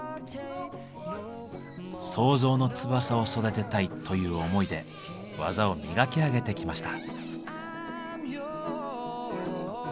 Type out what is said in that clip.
「創造の翼を育てたい」という思いで技を磨き上げてきました。